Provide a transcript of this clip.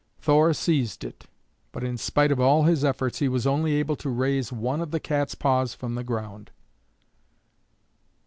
Thor seized it, but in spite of all his efforts he was only able to raise one of the cat's paws from the ground.